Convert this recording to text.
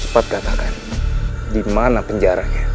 cepat katakan dimana penjaranya